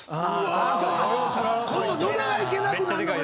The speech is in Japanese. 今度野田が行けなくなんのか！